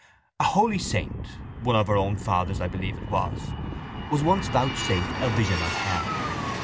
—A holy saint (one of our own fathers I believe it was) was once vouchsafed a vision of hell.